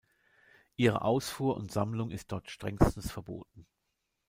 Ihre Ausfuhr und Sammlung ist dort strengstens verboten.